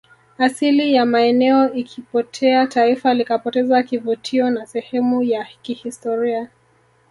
asili ya maeneo ikipotea taifa likapoteza kivutio na sehemu ya kihistoria